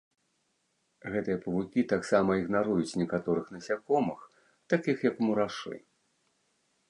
Гэтыя павукі таксама ігнаруюць некаторых насякомых, такіх як мурашы.